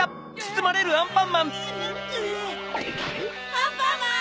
アンパンマン！